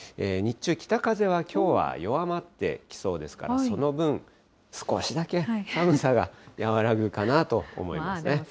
日中、北風はきょうは弱まってきそうですから、その分、少しだけ寒さが和らぐかなと思いますね。